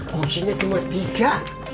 kursinya cuma tiga